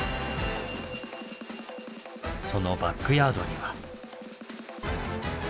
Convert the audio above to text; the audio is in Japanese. そのバックヤードには。